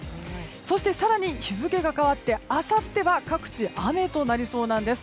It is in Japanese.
そして更に日付が変わってあさっては各地、雨となりそうなんです。